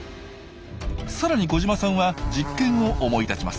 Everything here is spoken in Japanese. さらに小島さんは実験を思い立ちます。